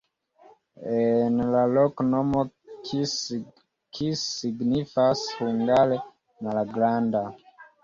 En la loknomo kis signifas hungare: malgranda.